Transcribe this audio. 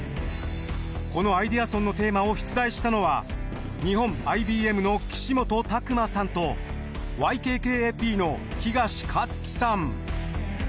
このアイデアソンのテーマを出題したのは日本アイ・ビー・エムの岸本拓磨さんとＹＫＫＡＰの東克紀さん。